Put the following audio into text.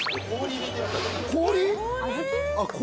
氷？